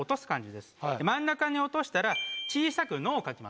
真ん中に落としたら小さく「の」を描きます。